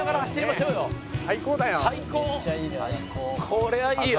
これはいいわ。